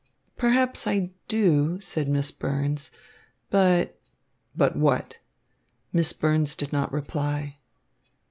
"Perhaps I do," said Miss Burns, "but" "But what?" Miss Burns did not reply.